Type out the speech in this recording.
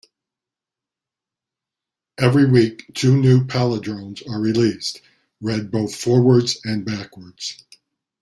Every week two new palindromes are released, read both forwards and backwards.